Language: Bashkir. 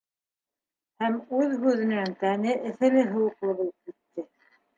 Һәм үҙ һүҙенән тәне эҫеле-һыуыҡлы булып китте.